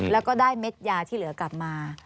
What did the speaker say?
แล้วก็ได้เม็ดยาที่เหลือกลับมา